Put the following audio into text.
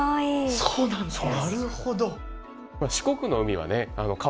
そうなんですよね。